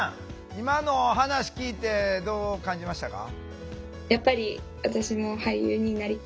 今の話聞いてどう感じましたか？